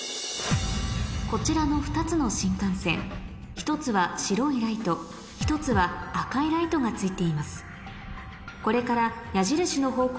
こちらの２つの新幹線１つは白いライト１つは赤いライトがついています